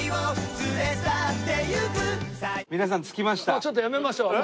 もうちょっとやめましょう。